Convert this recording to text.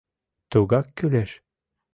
— Тугак кӱлеш!